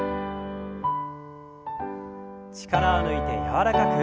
力を抜いて柔らかく。